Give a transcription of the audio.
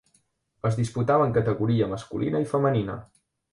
Es disputava en categoria masculina i femenina.